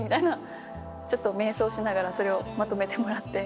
ちょっと迷走しながらそれをまとめてもらって。